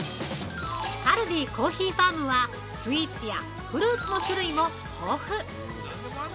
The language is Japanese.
カルディコーヒーファームはスイーツやフルーツの種類も豊富。